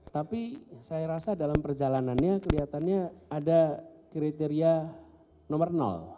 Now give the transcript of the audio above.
tapi saya rasa dalam perjalanannya kelihatannya ada kriteria nomor